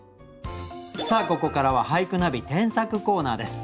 さあここからは「俳句ナビ添削コーナー」です。